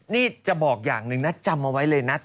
นี่จะบอกอย่างหนึ่งนะจำเอาไว้เลยนะ